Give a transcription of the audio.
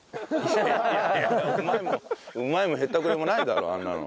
うまいもへったくれもないだろあんなの。